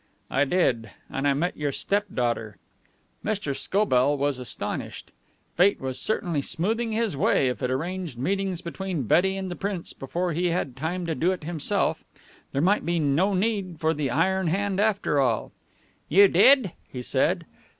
"I did. And I met your stepdaughter." Mr. Scobell was astonished. Fate was certainly smoothing his way if it arranged meetings between Betty and the Prince before he had time to do it himself. There might be no need for the iron hand after all. "You did?" he said.